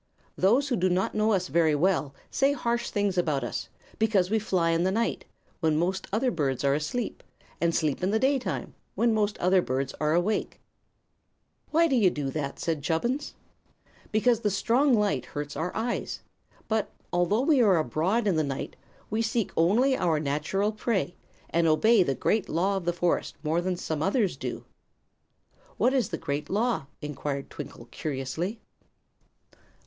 Those who do not know us very well say harsh things about us, because we fly in the night, when most other birds are asleep, and sleep in the daytime when most other birds are awake." "Why do you do that?" asked Chubbins. "Because the strong light hurts our eyes. But, although we are abroad in the night, we seek only our natural prey, and obey the Great Law of the forest more than some others do." "What is the Great Law?" enquired Twinkle, curiously.